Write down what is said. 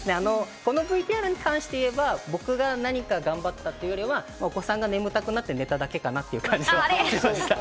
このＶＴＲに関して言えば、僕が何か頑張ったというよりは、お子さんが眠たくなって寝ただけかなという感じがしました。